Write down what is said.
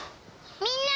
みんな！